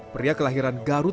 pria kelahiran garut